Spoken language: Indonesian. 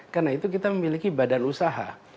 karena itu kita memiliki badan usaha